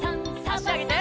あしあげて。